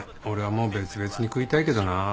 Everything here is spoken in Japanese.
俺はもう別々に食いたいけどな。